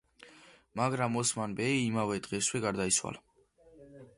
მაგრამ, ოსმან ბეი იმავე დღესვე გარდაიცვალა.